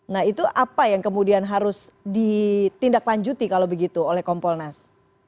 nah itu apa yang kemudian harus ditindaklanjuti kalau begitu oleh kompolnas